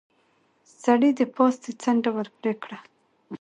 سړي د پاستي څنډه ور پرې کړه.